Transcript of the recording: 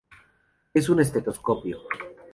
Es su estetoscopio.